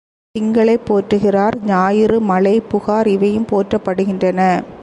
திங்களைப் போற்றுகிறார் ஞாயிறு, மழை, புகார் இவையும் போற்றப்படுகின்றன.